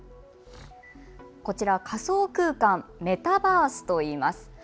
こちら、仮想空間メタバースといいます。